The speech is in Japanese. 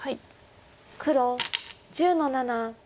黒１０の七ツギ。